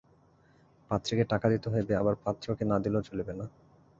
পাত্রীকে টাকা দিতে হইবে আবার পাত্রকে না দিলেও চলিবে না।